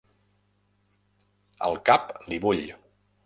El cap li bull.